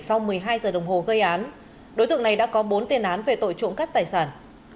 sau một mươi hai giờ đồng hồ gây án đối tượng này đã có bốn tiền án về tội trộm cắt tài sản